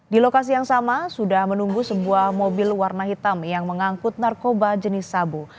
di lokasi yang sama sudah menunggu sebuah mobil warna hitam yang mengangkut narkoba jenis sabu